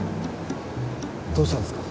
どうしたんですか？